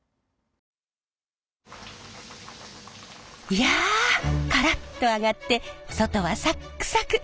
いやカラッと揚がって外はサックサク！